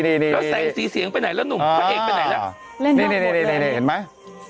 แล้วแส่งซีเสียงไปไหนล่ะพระเอกไปไหนล่ะอ่านี่เห็นไหม